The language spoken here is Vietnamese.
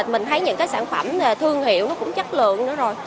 mình thấy những cái sản phẩm thương hiệu nó cũng chất lượng nữa rồi